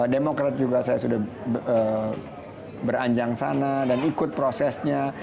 demokrat juga saya sudah beranjang sana dan ikut prosesnya